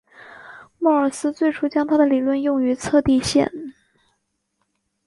莫尔斯最初将他的理论用于测地线。